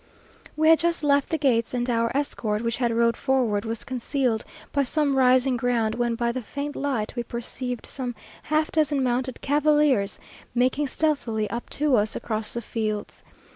We had just left the gates, and our escort, which had rode forward, was concealed by some rising ground, when, by the faint light, we perceived some half dozen mounted cavaliers making stealthily up to us across the fields.